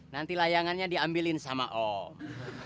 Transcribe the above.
nanti layangannya diambilin sama om